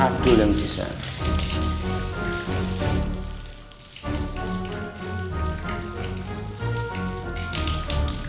aku yang pisah